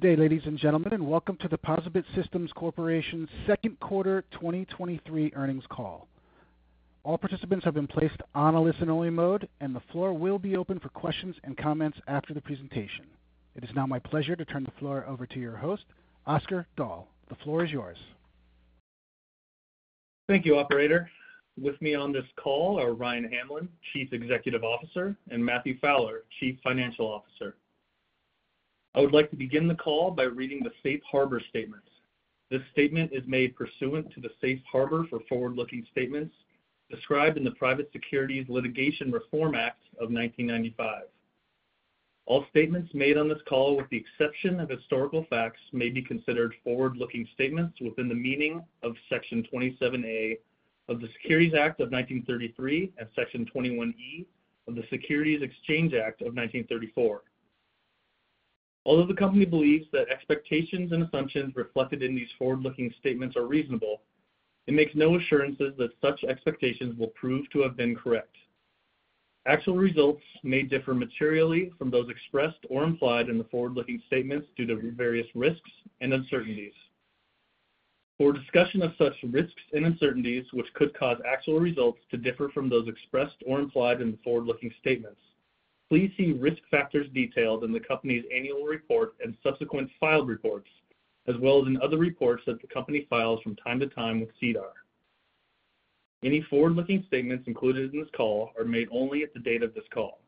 Good day, ladies and gentlemen, and welcome to the POSaBIT Systems Corporation's Second Quarter 2023 Earnings Call. All participants have been placed on a listen-only mode, and the floor will be open for questions and comments after the presentation. It is now my pleasure to turn the floor over to your host, Oscar Dahl. The floor is yours. Thank you, operator. With me on this call are Ryan Hamlin, Chief Executive Officer, and Matthew Fowler, Chief Financial Officer. I would like to begin the call by reading the safe harbor statement. This statement is made pursuant to the Safe Harbor for forward-looking statements described in the Private Securities Litigation Reform Act of 1995. All statements made on this call, with the exception of historical facts, may be considered forward-looking statements within the meaning of Section 27A of the Securities Act of 1933 and Section 21E of the Securities Exchange Act of 1934. Although the company believes that expectations and assumptions reflected in these forward-looking statements are reasonable, it makes no assurances that such expectations will prove to have been correct. Actual results may differ materially from those expressed or implied in the forward-looking statements due to various risks and uncertainties. For a discussion of such risks and uncertainties, which could cause actual results to differ from those expressed or implied in the forward-looking statements, please see risk factors detailed in the company's annual report and subsequent filed reports, as well as in other reports that the company files from time to time with SEDAR. Any forward-looking statements included in this call are made only at the date of this call.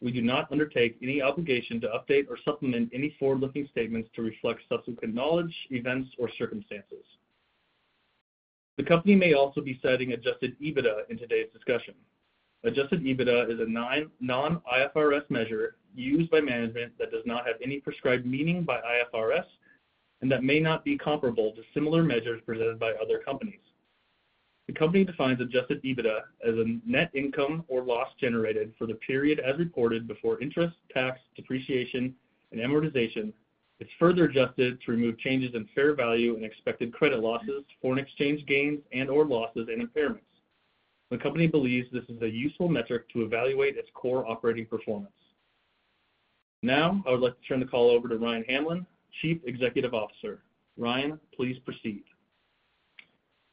We do not undertake any obligation to update or supplement any forward-looking statements to reflect subsequent knowledge, events, or circumstances. The company may also be citing Adjusted EBITDA in today's discussion. Adjusted EBITDA is a non-IFRS measure used by management that does not have any prescribed meaning by IFRS and that may not be comparable to similar measures presented by other companies. The company defines Adjusted EBITDA as a net income or loss generated for the period as reported before interest, tax, depreciation, and amortization, it's further adjusted to remove changes in fair value and expected credit losses, foreign exchange gains and/or losses, and impairments. The company believes this is a useful metric to evaluate its core operating performance. Now, I would like to turn the call over to Ryan Hamlin, Chief Executive Officer. Ryan, please proceed.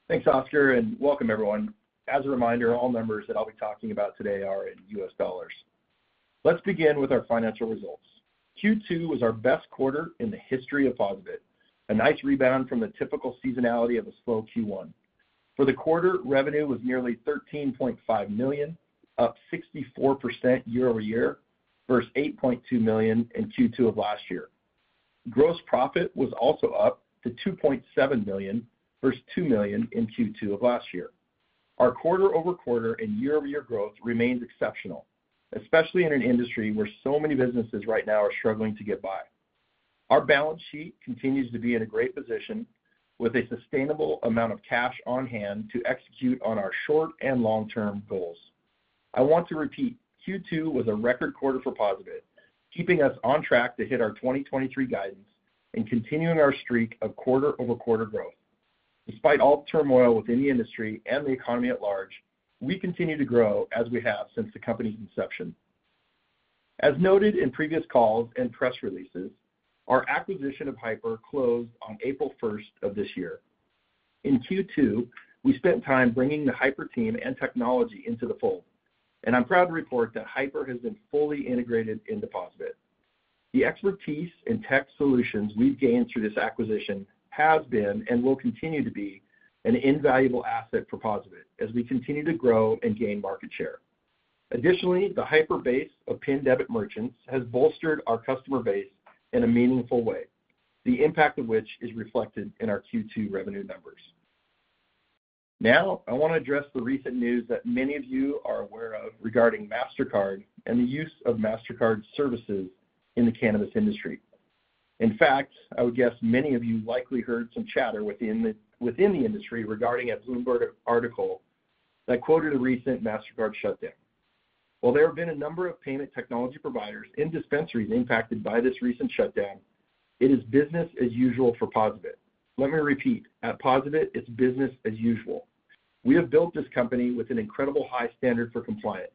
Thanks, Oscar, and welcome everyone. As a reminder, all numbers that I'll be talking about today are in US dollars. Let's begin with our financial results. Q2 was our best quarter in the history of POSaBIT, a nice rebound from the typical seasonality of a slow Q1. For the quarter, revenue was nearly $13.5 million, up 64% year-over-year, versus $8.2 million in Q2 of last year. Gross profit was also up to $2.7 million versus $2 million in Q2 of last year. Our quarter-over-quarter and year-over-year growth remains exceptional, especially in an industry where so many businesses right now are struggling to get by. Our balance sheet continues to be in a great position, with a sustainable amount of cash on hand to execute on our short and long-term goals. I want to repeat, Q2 was a record quarter for POSaBIT, keeping us on track to hit our 2023 guidance and continuing our streak of quarter-over-quarter growth. Despite all the turmoil within the industry and the economy at large, we continue to grow as we have since the company's inception. As noted in previous calls and press releases, our acquisition of Hypur closed on April 1 of this year. In Q2, we spent time bringing the Hypur team and technology into the fold, and I'm proud to report that Hypur has been fully integrated into POSaBIT. The expertise and tech solutions we've gained through this acquisition have been and will continue to be an invaluable asset for POSaBIT as we continue to grow and gain market share. Additionally, the Hypur base of PIN debit merchants has bolstered our customer base in a meaningful way, the impact of which is reflected in our Q2 revenue numbers. Now, I want to address the recent news that many of you are aware of regarding Mastercard and the use of Mastercard services in the cannabis industry. In fact, I would guess many of you likely heard some chatter within the industry regarding a Bloomberg article that quoted a recent Mastercard shutdown. While there have been a number of payment technology providers in dispensaries impacted by this recent shutdown, it is business as usual for POSaBIT. Let me repeat, at POSaBIT, it's business as usual. We have built this company with an incredible high standard for compliance.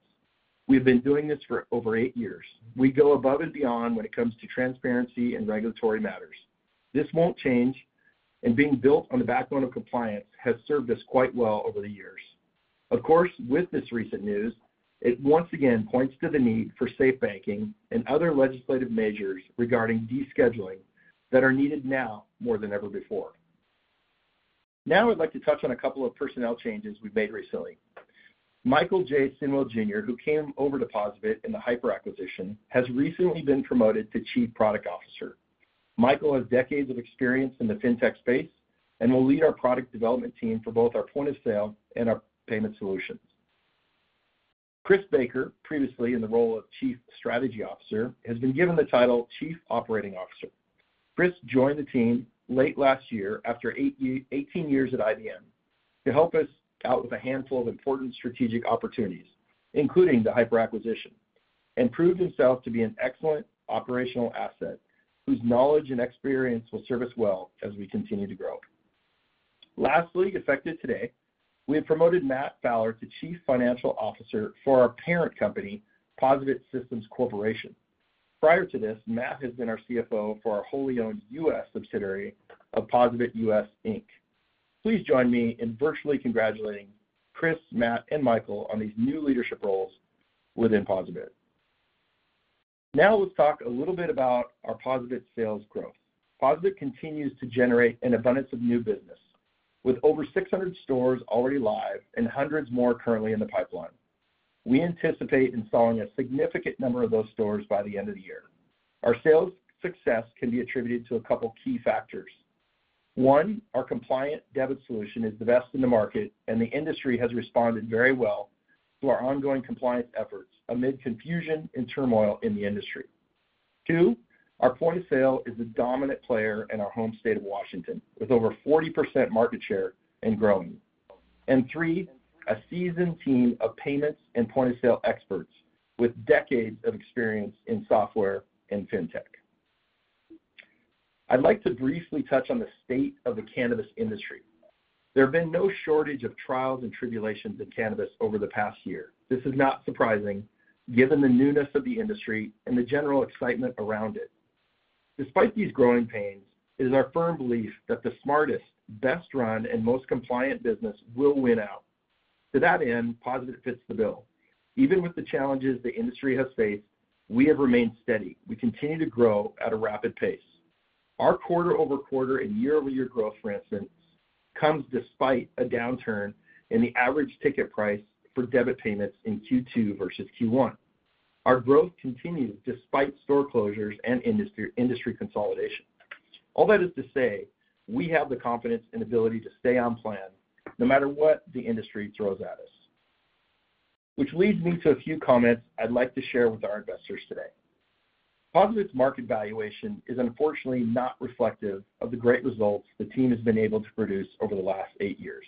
We've been doing this for over eight years. We go above and beyond when it comes to transparency and regulatory matters. This won't change, and being built on the backbone of compliance has served us quite well over the years. Of course, with this recent news, it once again points to the need for SAFE Banking and other legislative measures regarding descheduling that are needed now more than ever before. Now, I'd like to touch on a couple of personnel changes we've made recently. Michael J. Sinnwell, Jr., who came over to POSaBIT in the Hypur acquisition, has recently been promoted to Chief Product Officer. Michael has decades of experience in the fintech space and will lead our product development team for both our point-of-sale and our payment solutions. Chris Baker, previously in the role of Chief Strategy Officer, has been given the title Chief Operating Officer. Chris joined the team late last year after eighteen years at IBM to help us out with a handful of important strategic opportunities, including the Hypur acquisition, and proved himself to be an excellent operational asset, whose knowledge and experience will serve us well as we continue to grow. Lastly, effective today, we have promoted Matt Fowler to Chief Financial Officer for our parent company, POSaBIT Systems Corporation. Prior to this, Matt has been our CFO for our wholly owned U.S. subsidiary, POSaBIT US, Inc. Please join me in virtually congratulating Chris, Matt, and Michael on these new leadership roles within POSaBIT. Now let's talk a little bit about our POSaBIT sales growth. POSaBIT continues to generate an abundance of new business, with over 600 stores already live and hundreds more currently in the pipeline. We anticipate installing a significant number of those stores by the end of the year. Our sales success can be attributed to a couple key factors. One, our compliant debit solution is the best in the market, and the industry has responded very well to our ongoing compliance efforts amid confusion and turmoil in the industry. Two, our point-of-sale is the dominant player in our home state of Washington, with over 40% market share and growing. And three, a seasoned team of payments and point-of-sale experts with decades of experience in software and fintech. I'd like to briefly touch on the state of the cannabis industry. There have been no shortage of trials and tribulations in cannabis over the past year. This is not surprising, given the newness of the industry and the general excitement around it. Despite these growing pains, it is our firm belief that the smartest, best-run, and most compliant business will win out. To that end, POSaBIT fits the bill. Even with the challenges the industry has faced, we have remained steady. We continue to grow at a rapid pace. Our quarter-over-quarter and year-over-year growth, for instance, comes despite a downturn in the average ticket price for debit payments in Q2 versus Q1. Our growth continues despite store closures and industry consolidation. All that is to say, we have the confidence and ability to stay on plan, no matter what the industry throws at us. Which leads me to a few comments I'd like to share with our investors today. POSaBIT's market valuation is unfortunately not reflective of the great results the team has been able to produce over the last eight years.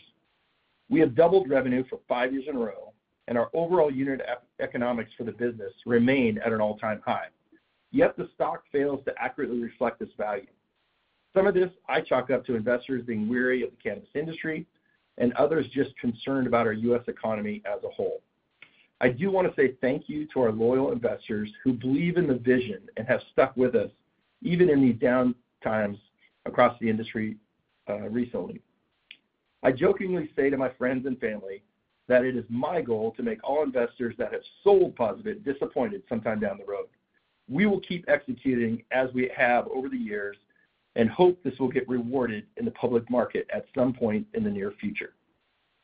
We have doubled revenue for five years in a row, and our overall unit economics for the business remain at an all-time high, yet the stock fails to accurately reflect this value. Some of this I chalk up to investors being wary of the cannabis industry and others just concerned about our U.S. economy as a whole. I do want to say thank you to our loyal investors who believe in the vision and have stuck with us, even in these down times across the industry recently. I jokingly say to my friends and family that it is my goal to make all investors that have sold POSaBIT disappointed sometime down the road. We will keep executing as we have over the years, and hope this will get rewarded in the public market at some point in the near future.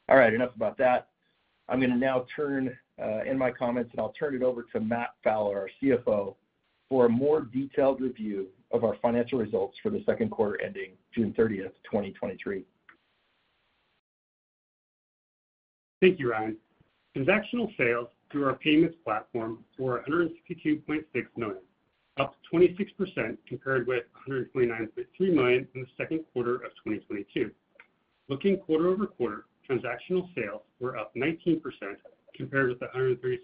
All right, enough about that. I'm going to now turn, end my comments, and I'll turn it over to Matt Fowler, our CFO, for a more detailed review of our financial results for the second quarter ending June 30, 2023. Thank you, Ryan. Transactional sales through our payments platform were $162.6 million, up 26%, compared with $129.3 million in the second quarter of 2022. Looking quarter-over-quarter, transactional sales were up 19%, compared with $136.4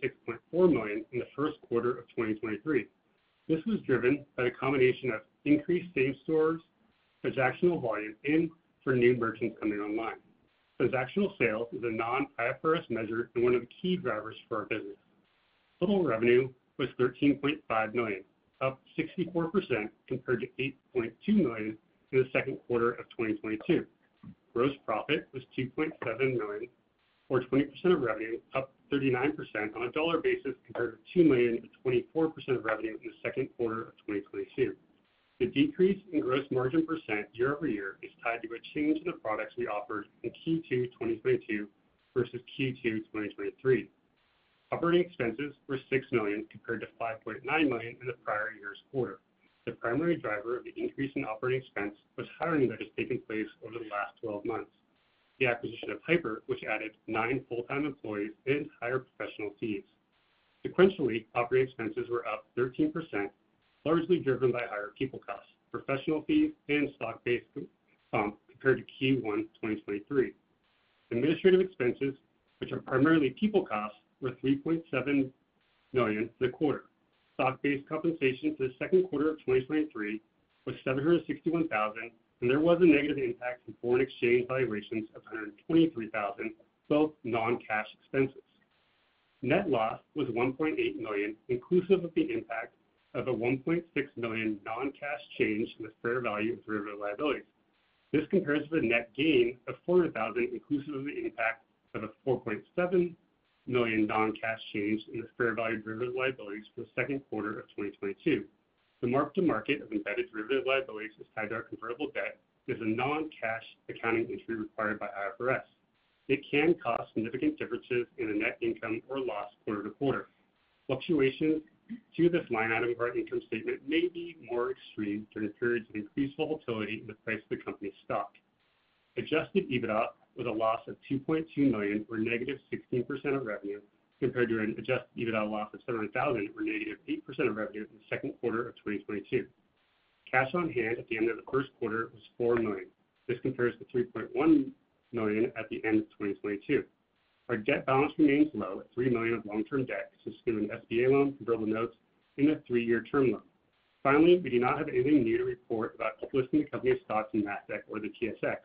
million in the first quarter of 2023. This was driven by a combination of increased same-store transactional volume and for new merchants coming online. Transactional sales is a non-IFRS measure and one of the key drivers for our business. Total revenue was $13.5 million, up 64% compared to $8.2 million in the second quarter of 2022. Gross profit was $2.7 million, or 20% of revenue, up 39% on a dollar basis, compared to $2 million to 24% of revenue in the second quarter of 2022. The decrease in gross margin % year-over-year is tied to a change in the products we offered in Q2 2022 versus Q2 2023. Operating expenses were $6 million, compared to $5.9 million in the prior year's quarter. The primary driver of the increase in operating expense was hiring that has taken place over the last 12 months, the acquisition of Hypur, which added nine full-time employees and higher professional fees. Sequentially, operating expenses were up 13%, largely driven by higher people costs, professional fees, and stock-based comp compared to Q1 2023. Administrative expenses, which are primarily people costs, were $3.7 million in the quarter. Stock-based compensation for the second quarter of 2023 was $761,000, and there was a negative impact from foreign exchange valuations of $123,000, both non-cash expenses. Net loss was $1.8 million, inclusive of the impact of a $1.6 million non-cash change in the fair value of derivative liabilities. This compares with a net gain of $400,000, inclusive of the impact of a $4.7 million non-cash change in the fair value of derivative liabilities for the second quarter of 2022. The mark-to-market of embedded derivative liabilities is tied to our convertible debt, is a non-cash accounting entry required by IFRS. It can cause significant differences in the net income or loss quarter to quarter. Fluctuations to this line item of our income statement may be more extreme during periods of increased volatility in the price of the company's stock. Adjusted EBITDA was a loss of $2.2 million, or -16% of revenue, compared to an Adjusted EBITDA loss of $700,000, or -8% of revenue, in the second quarter of 2022. Cash on hand at the end of the first quarter was $4 million. This compares to $3.1 million at the end of 2022. Our debt balance remains low at $3 million of long-term debt, consisting of an SBA loan, convertible notes, and a 3-year term loan. Finally, we do not have anything new to report about listing the company's stocks in NASDAQ or the TSX,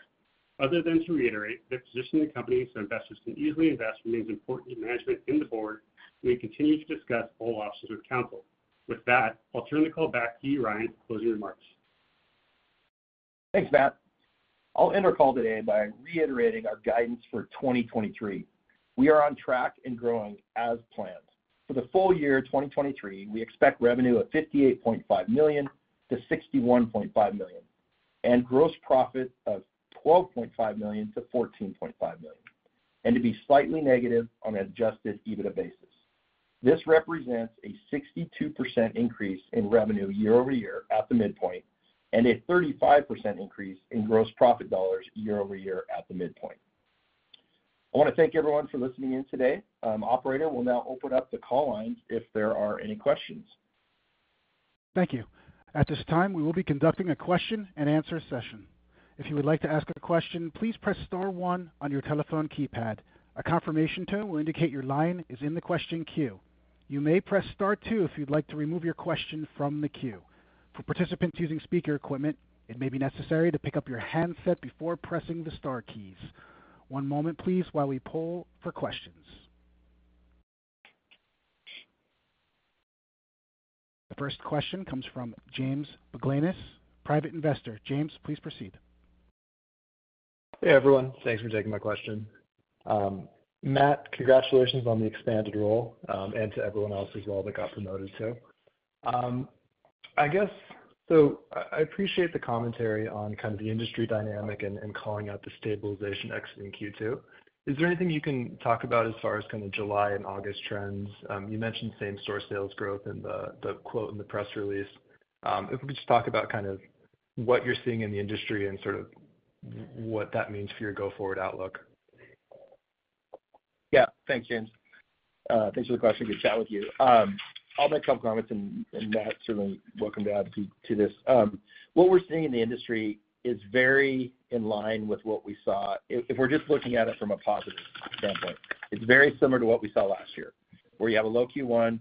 other than to reiterate that positioning the company so investors can easily invest remains important to management and the board, and we continue to discuss all options with counsel. With that, I'll turn the call back to you, Ryan, for closing remarks. Thanks, Matt. I'll end our call today by reiterating our guidance for 2023. We are on track and growing as planned. For the full year 2023, we expect revenue of $58.5 million to $61.5 million, and gross profit of $12.5 million to $14.5 million, and to be slightly negative on an adjusted EBITDA basis. This represents a 62% increase in revenue year-over-year at the midpoint, and a 35% increase in gross profit dollars year-over-year at the midpoint. I want to thank everyone for listening in today. Operator, we'll now open up the call lines if there are any questions. Thank you. At this time, we will be conducting a question and answer session. If you would like to ask a question, please press star one on your telephone keypad. A confirmation tone will indicate your line is in the question queue. You may press Star two if you'd like to remove your question from the queue. For participants using speaker equipment, it may be necessary to pick up your handset before pressing the star keys. One moment, please, while we poll for questions. The first question comes from James Baglanis, private investor. James, please proceed. Hey, everyone. Thanks for taking my question. Matt, congratulations on the expanded role, and to everyone else as well that got promoted, too. I guess, I appreciate the commentary on kind of the industry dynamic and calling out the stabilization exit in Q2. Is there anything you can talk about as far as kind of July and August trends? You mentioned same-store sales growth in the quote in the press release. If we could just talk about kind of what you're seeing in the industry and sort of what that means for your go-forward outlook. Yeah. Thanks, James. Thanks for the question. Good to chat with you. I'll make some comments, and Matt certainly welcome to add to this. What we're seeing in the industry is very in line with what we saw. If we're just looking at it from a positive standpoint, it's very similar to what we saw last year, where you have a low Q1,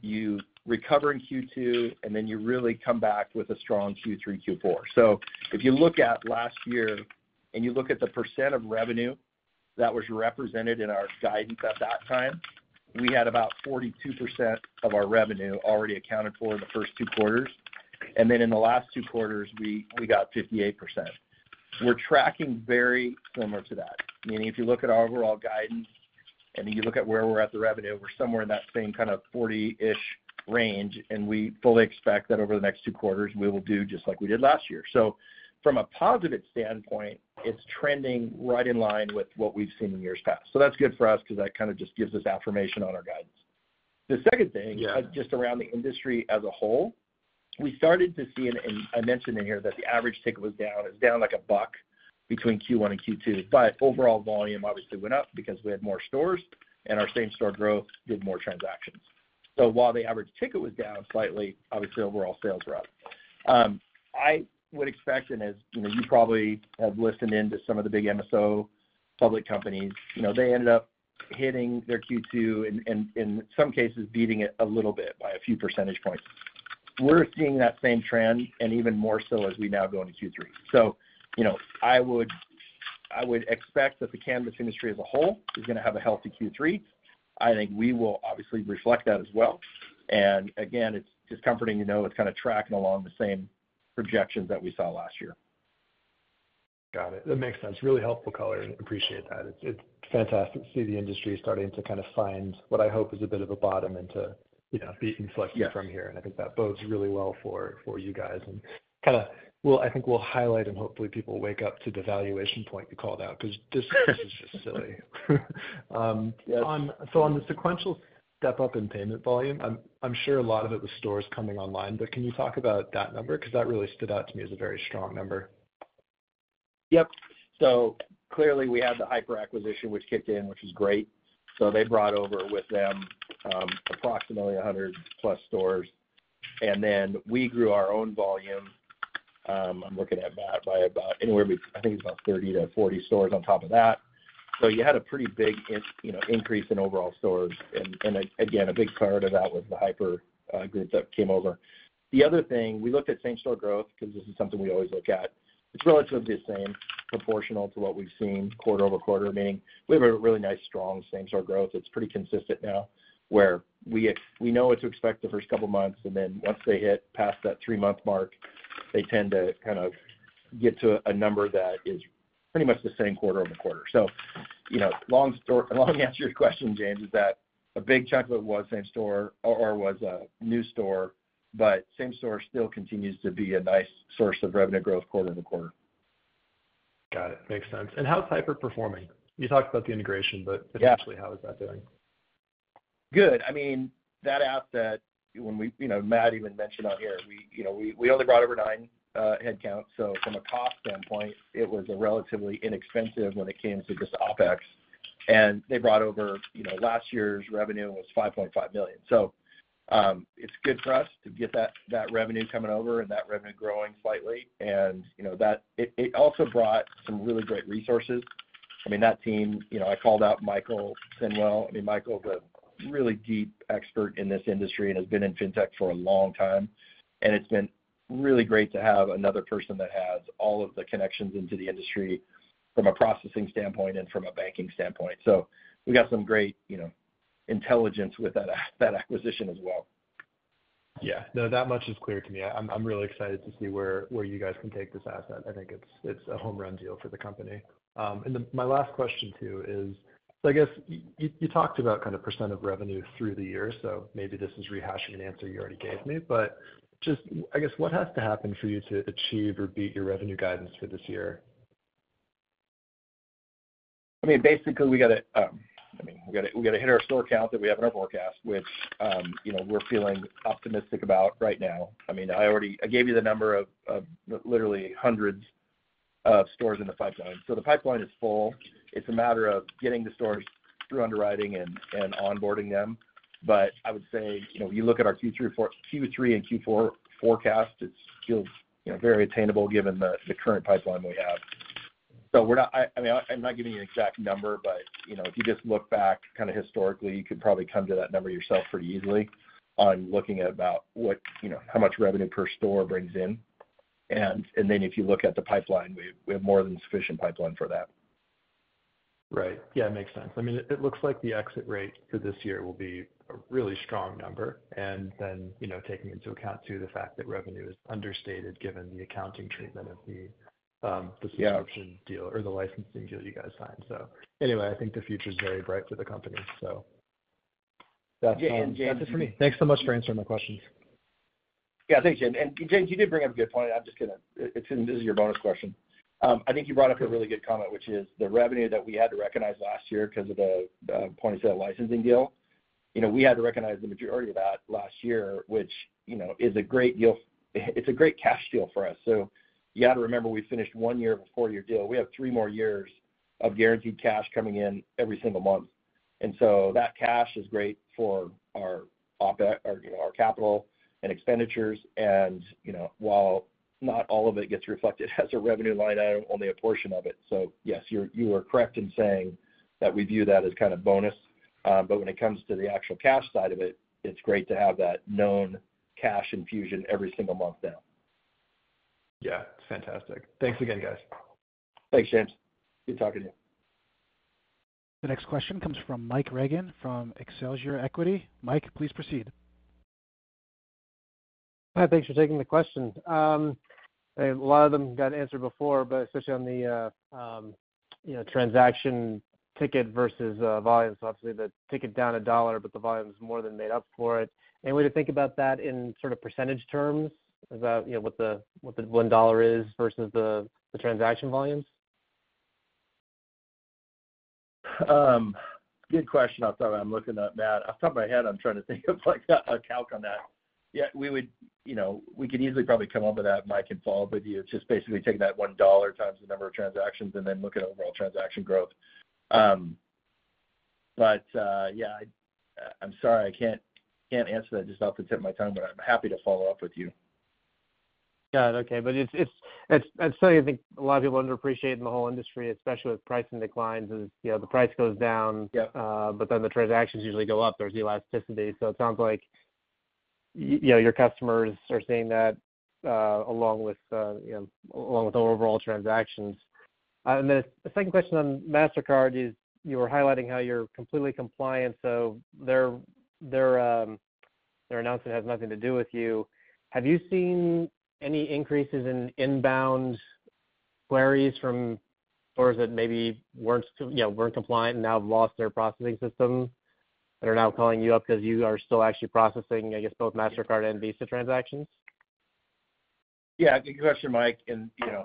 you recover in Q2, and then you really come back with a strong Q3, Q4. So if you look at last year, and you look at the percent of revenue that was represented in our guidance at that time, we had about 42% of our revenue already accounted for in the first two quarters, and then in the last two quarters, we got 58%. We're tracking very similar to that, meaning if you look at our overall guidance and you look at where we're at the revenue, we're somewhere in that same kind of 40-ish range, and we fully expect that over the next two quarters, we will do just like we did last year. So from a positive standpoint, it's trending right in line with what we've seen in years past. So that's good for us because that kind of just gives us affirmation on our guidance. The second thing, just around the industry as a whole, we started to see, and I mentioned in here that the average ticket was down. It's down like $1 between Q1 and Q2, but overall volume obviously went up because we had more stores, and our same store growth did more transactions. So while the average ticket was down slightly, obviously, overall sales were up. I would expect, and as you know, you probably have listened in to some of the big MSO public companies, you know, they ended up hitting their Q2 and in some cases, beating it a little bit by a few percentage points. We're seeing that same trend and even more so as we now go into Q3. So, you know, I would expect that the cannabis industry as a whole is going to have a healthy Q3. I think we will obviously reflect that as well. And again, it's just comforting to know it's kind of tracking along the same projections that we saw last year. Got it. That makes sense. Really helpful color. Appreciate that. It's, it's fantastic to see the industry starting to kind of find what I hope is a bit of a bottom and to, you know, be inflected from here. Yes. I think that bodes really well for you guys and kind of. We'll, I think we'll highlight and hopefully people wake up to the valuation point you called out, because this is just silly. Yes. So on the sequential step up in payment volume, I'm sure a lot of it was stores coming online, but can you talk about that number? Because that really stood out to me as a very strong number. Yep. So clearly, we had the Hypur acquisition, which kicked in, which is great. So they brought over with them, approximately 100+ stores, and then we grew our own volume, I'm looking at Matt, by about anywhere between, I think, about 30-40 stores on top of that. So you had a pretty big, you know, increase in overall stores, and again, a big part of that was the Hypur group that came over. The other thing, we looked at same store growth because this is something we always look at. It's relatively the same, proportional to what we've seen quarter-over-quarter, meaning we have a really nice, strong same store growth. It's pretty consistent now, where we know what to expect the first couple of months, and then once they hit past that three-month mark, they tend to kind of get to a number that is pretty much the same quarter-over-quarter. So, you know, long story, long answer to your question, James, is that a big chunk of it was same store or, or was a new store, but same store still continues to be a nice source of revenue growth quarter-over-quarter. Got it. Makes sense. And how's Hypur performing? You talked about the integration, but- Yeah potentially, how is that doing? Good. I mean, that asset, when we—you know, Matt even mentioned on here, you know, we only brought over nine headcount, so from a cost standpoint, it was a relatively inexpensive when it came to just OpEx. And they brought over, you know, last year's revenue was $5.5 million. So, it's good for us to get that revenue coming over and that revenue growing slightly. And, you know, that. It also brought some really great resources. I mean, that team, you know, I called out Michael Sinnwell. I mean, Michael's a really deep expert in this industry and has been in FinTech for a long time, and it's been really great to have another person that has all of the connections into the industry from a processing standpoint and from a banking standpoint. We got some great, you know, intelligence with that acquisition as well. Yeah. No, that much is clear to me. I'm really excited to see where you guys can take this asset. I think it's a home run deal for the company. And then my last question, too, is, so I guess you talked about kind of percent of revenue through the year, so maybe this is rehashing an answer you already gave me, but just, I guess, what has to happen for you to achieve or beat your revenue guidance for this year? I mean, basically, we got to hit our store count that we have in our forecast, which, you know, we're feeling optimistic about right now. I mean, I already I gave you the number of literally hundreds of stores in the pipeline. So the pipeline is full. It's a matter of getting the stores through underwriting and onboarding them. But I would say, you know, you look at our Q3 and Q4 forecast, it feels, you know, very attainable given the current pipeline we have. So we're not. I mean, I'm not giving you an exact number, but, you know, if you just look back kind of historically, you could probably come to that number yourself pretty easily on looking at about what, you know, how much revenue per store brings in. And then, if you look at the pipeline, we have more than sufficient pipeline for that. Right. Yeah, it makes sense. I mean, it looks like the exit rate for this year will be a really strong number, and then, you know, taking into account, too, the fact that revenue is understated given the accounting treatment of the, Yeah the subscription deal or the licensing deal you guys signed. So anyway, I think the future is very bright for the company. So Yeah, and James- That's it for me. Thanks so much for answering my questions. Yeah, thanks, James. And James, you did bring up a good point. I'm just going to... It's this is your bonus question. I think you brought up a really good comment, which is the revenue that we had to recognize last year because of the point-of-sale licensing deal. You know, we had to recognize the majority of that last year, which, you know, is a great deal. It's a great cash deal for us. So you got to remember, we finished one year of a four-year deal. We have three more years of guaranteed cash coming in every single month. And so that cash is great for our OpEx, you know, our capital and expenditures. And, you know, while not all of it gets reflected as a revenue line item, only a portion of it. So yes, you are correct in saying that we view that as kind of bonus. But when it comes to the actual cash side of it, it's great to have that known cash infusion every single month now. Yeah, fantastic. Thanks again, guys. Thanks, James. Good talking to you. The next question comes from Mike Regan from Excelsior Equities. Mike, please proceed. Hi, thanks for taking the question. A lot of them got answered before, but especially on the, you know, transaction ticket versus volume. So obviously, the ticket down $1, but the volume is more than made up for it. Any way to think about that in sort of percentage terms, about, you know, what the, what the $1 is versus the, the transaction volumes? Good question. I'm sorry, I'm looking at that. Off the top of my head, I'm trying to think of like a calc on that. Yeah, we would, you know, we could easily probably come up with that, Mike, and follow up with you. It's just basically taking that $1 times the number of transactions and then looking at overall transaction growth. But, yeah, I'm sorry, I can't answer that just off the tip of my tongue, but I'm happy to follow up with you. Got it. Okay. But it's, that's something I think a lot of people underappreciate in the whole industry, especially with pricing declines, is, you know, the price goes down- Yep but then the transactions usually go up. There's elasticity. So it sounds like you know, your customers are seeing that, along with, you know, along with the overall transactions. And then the second question on Mastercard is, you were highlighting how you're completely compliant, so their, their, their announcement has nothing to do with you. Have you seen any increases in inbound queries from stores that maybe weren't, you know, weren't compliant and now have lost their processing system, that are now calling you up because you are still actually processing, I guess, both Mastercard and Visa transactions? Yeah, good question, Mike. And, you know,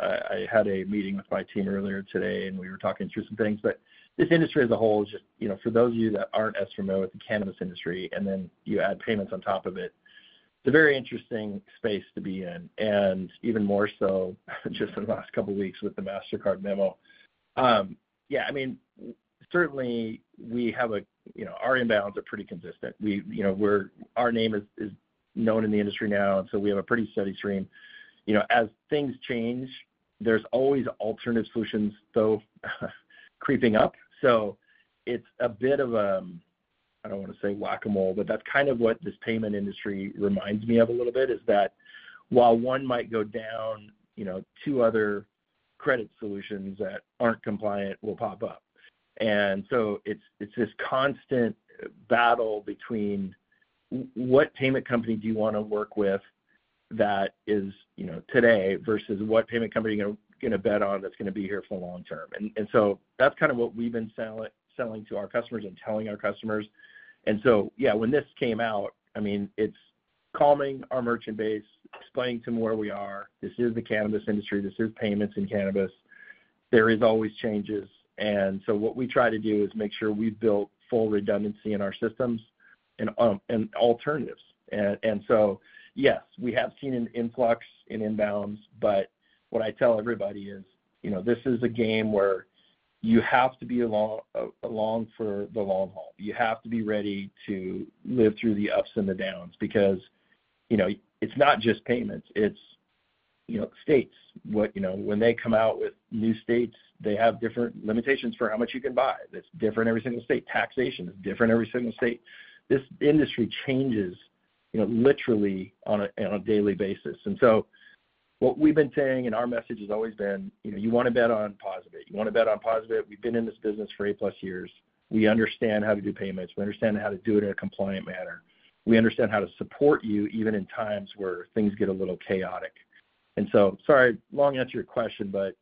I had a meeting with my team earlier today, and we were talking through some things, but this industry as a whole, just, you know, for those of you that aren't as familiar with the cannabis industry, and then you add payments on top of it, it's a very interesting space to be in, and even more so just in the last couple of weeks with the Mastercard memo. Yeah, I mean, certainly, we have a, you know, our inbounds are pretty consistent. We, you know, our name is, is known in the industry now, and so we have a pretty steady stream. You know, as things change, there's always alternative solutions, though, creeping up. So it's a bit of a, I don't want to say whack-a-mole, but that's kind of what this payment industry reminds me of a little bit, is that while one might go down, you know, two other credit solutions that aren't compliant will pop up. And so it's, it's this constant battle between what payment company do you want to work with that is, you know, today versus what payment company you're going to bet on that's going to be here for long term? And, and so that's kind of what we've been selling to our customers and telling our customers. And so, yeah, when this came out, I mean, it's calming our merchant base, explaining to them where we are. This is the cannabis industry. This is payments in cannabis. There are always changes, and so what we try to do is make sure we've built full redundancy in our systems and alternatives. And so, yes, we have seen an influx in inbounds, but what I tell everybody is, you know, this is a game where you have to be along for the long haul. You have to be ready to live through the ups and the downs, because you know, it's not just payments, it's, you know, states. What you know, when they come out with new states, they have different limitations for how much you can buy. That's different every single state. Taxation is different every single state. This industry changes, you know, literally on a daily basis. And so what we've been saying, and our message has always been, you know, you want to bet on POSaBIT. You want to bet on POSaBIT, we've been in this business for 8+ years. We understand how to do payments, we understand how to do it in a compliant manner. We understand how to support you, even in times where things get a little chaotic. And so sorry, long answer your question, but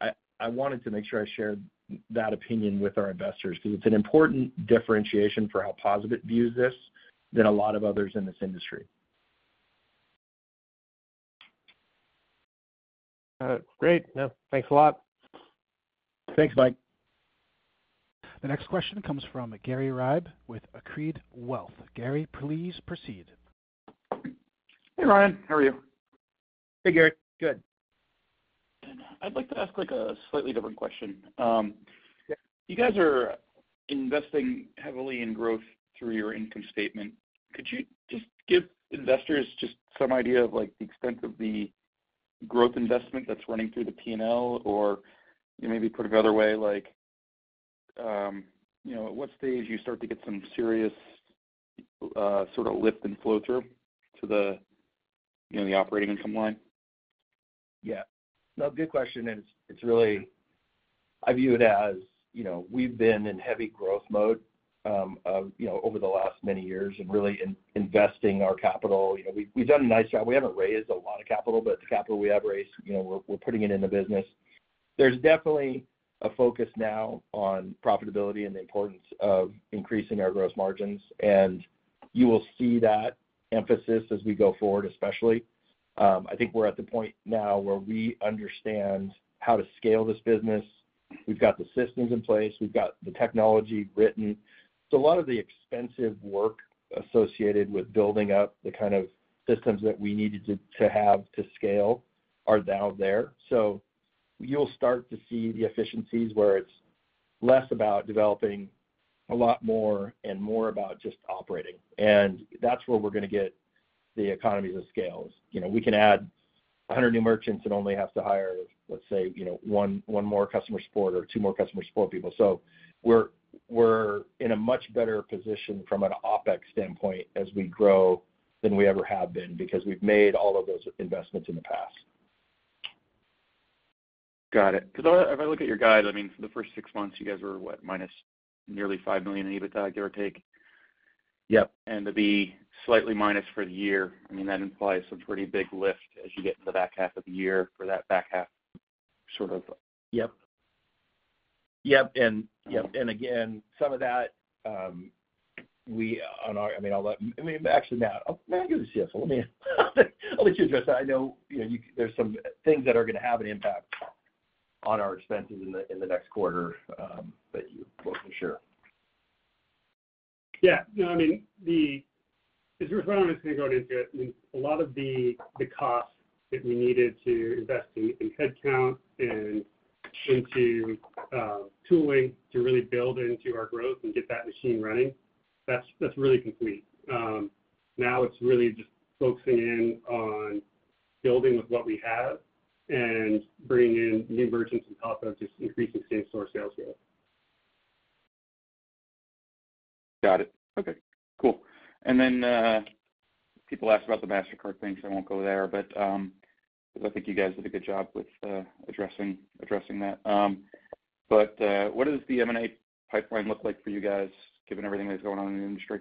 I, I wanted to make sure I shared that opinion with our investors, because it's an important differentiation for how POSaBIT views this than a lot of others in this industry. Great. Yeah, thanks a lot. Thanks, Mike. The next question comes from Gary Ribe with Accretive Wealth. Gary, please proceed. Hey, Ryan. How are you? Hey, Gary. Good. I'd like to ask, like, a slightly different question. Yeah. You guys are investing heavily in growth through your income statement. Could you just give investors just some idea of, like, the extent of the growth investment that's running through the P&L? Or maybe put it another way, like, you know, at what stage do you start to get some serious, sort of, lift and flow through to the, you know, the operating income line? Yeah. No, good question, and it's really, I view it as, you know, we've been in heavy growth mode, you know, over the last many years and really investing our capital. You know, we've done a nice job. We haven't raised a lot of capital, but the capital we have raised, you know, we're putting it in the business. There's definitely a focus now on profitability and the importance of increasing our gross margins, and you will see that emphasis as we go forward, especially. I think we're at the point now where we understand how to scale this business. We've got the systems in place, we've got the technology written. So a lot of the expensive work associated with building up the kind of systems that we needed to have to scale are now there. So you'll start to see the efficiencies, where it's less about developing a lot more and more about just operating. And that's where we're going to get the economies of scales. You know, we can add 100 new merchants and only have to hire, let's say, you know, one, one more customer support or two more customer support people. So we're, we're in a much better position from an OpEx standpoint as we grow than we ever have been, because we've made all of those investments in the past. Got it. Because if I look at your guide, I mean, for the first six months, you guys were, what? Minus nearly $5 million in EBITDA, give or take. Yep. To be slightly minus for the year, I mean, that implies some pretty big lift as you get into the back half of the year for that back half sort of- Yep. Yep, and yep, and again, some of that, I mean, I mean, actually, Matt, Matt, give us the answer. Let me, I'll let you address that. I know, you know, you there's some things that are going to have an impact on our expenses in the, in the next quarter, that you will ensure. Yeah. No, I mean, as Ryan was going to go into it, I mean, a lot of the costs that we needed to invest in, in headcount and into tooling to really build into our growth and get that machine running, that's really complete. Now it's really just focusing in on building with what we have and bringing in new merchants on top of just increasing same store sales growth. Got it. Okay, cool. And then, people ask about the Mastercard thing, so I won't go there. But, because I think you guys did a good job with addressing that. But, what does the M&A pipeline look like for you guys, given everything that's going on in the industry?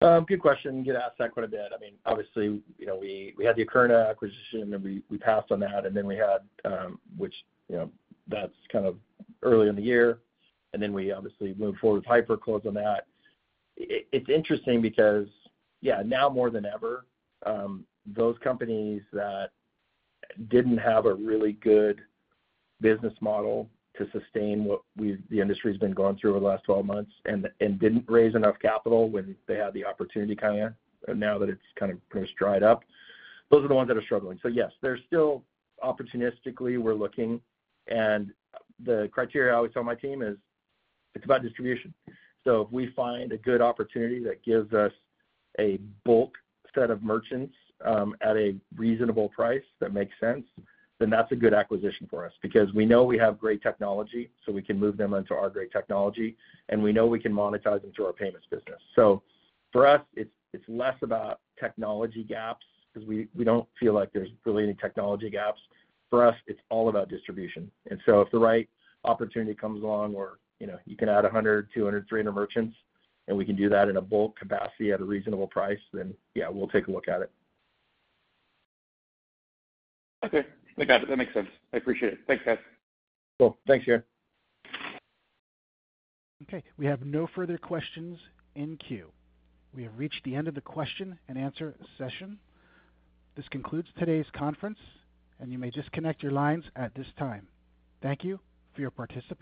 Good question. Get asked that quite a bit. I mean, obviously, you know, we had the Akerna acquisition, and we passed on that, and then we had, which, you know, that's kind of early in the year, and then we obviously moved forward with Hypur on that. It's interesting because, yeah, now more than ever, those companies that didn't have a really good business model to sustain what the industry's been going through over the last 12 months and didn't raise enough capital when they had the opportunity, kind of, now that it's kind of pretty much dried up, those are the ones that are struggling. So yes, there's still opportunistically, we're looking, and the criteria I always tell my team is, it's about distribution. So if we find a good opportunity that gives us a bulk set of merchants, at a reasonable price that makes sense, then that's a good acquisition for us. Because we know we have great technology, so we can move them onto our great technology, and we know we can monetize them through our payments business. So for us, it's, it's less about technology gaps, because we, we don't feel like there's really any technology gaps. For us, it's all about distribution. And so if the right opportunity comes along or, you know, you can add 100, 200, 300 merchants, and we can do that in a bulk capacity at a reasonable price, then yeah, we'll take a look at it. Okay. I got it. That makes sense. I appreciate it. Thanks, guys. Cool. Thanks, Gary. Okay. We have no further questions in queue. We have reached the end of the question-and-answer session. This concludes today's conference, and you may disconnect your lines at this time. Thank you for your participation.